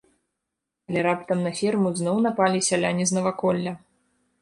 Але раптам на ферму зноў напалі сяляне з наваколля.